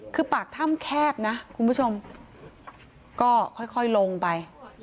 คือปากถ้ำแคบนะคุณผู้ชมก็ค่อยลงไป